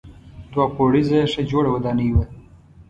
دوه پوړیزه ښه جوړه ودانۍ وه.